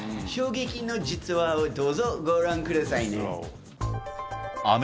衝撃の実話をどうぞご覧くださいね。